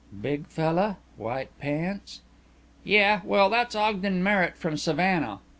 "Big fella? White pants?" "Yeah. Well, that's Ogden Merritt from Savannah.